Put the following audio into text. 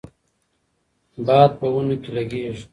باد په ونو کې لګیږي.